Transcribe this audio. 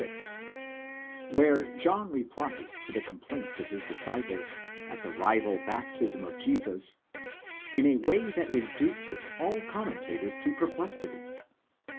27 36, where John replies to the complaints of his disciples at the rival baptism of Jesus, in a way that reduces all commentators to perplexity.